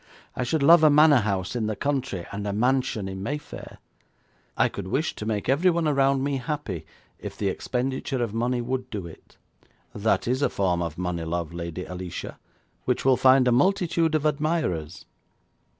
I should love a manor house in the country, and a mansion in Mayfair. I could wish to make everyone around me happy if the expenditure of money would do it.' 'That is a form of money love, Lady Alicia, which will find a multitude of admirers.'